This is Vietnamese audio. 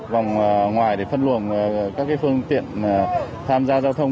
vòng ngoài để phân luồng các phương tiện tham gia giao thông